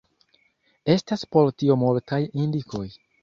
Estas por tio multaj indikoj.